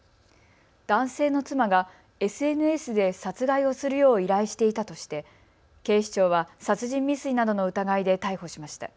男性の妻がＳＮＳで殺害をするよう依頼していたとして警視庁は殺人未遂などの疑いで逮捕しました。